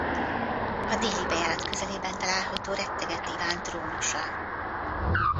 A déli bejárat közelében található Rettegett Iván trónusa.